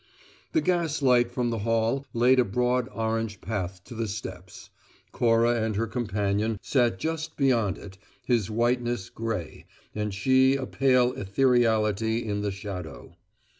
The gas light from the hall laid a broad orange path to the steps Cora and her companion sat just beyond it, his whiteness gray, and she a pale ethereality in the shadow.